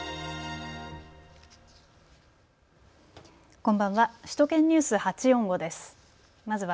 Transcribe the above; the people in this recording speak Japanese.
こんばんは。